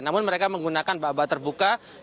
namun mereka menggunakan bawa bawa terbuka